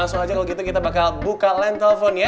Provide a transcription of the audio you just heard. langsung aja kalau gitu kita bakal buka land telepon ya